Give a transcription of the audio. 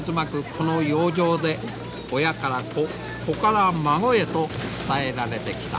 この洋上で親から子子から孫へと伝えられてきた。